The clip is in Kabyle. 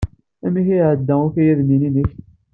Amek ay iɛedda ukayad-nnek?